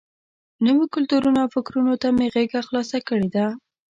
نویو کلتورونو او فکرونو ته مې غېږه خلاصه کړې ده.